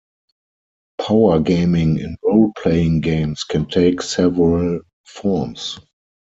Powergaming in roleplaying games can take several forms.